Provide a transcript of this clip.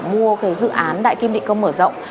mua cái dự án đại kim định công mở rộng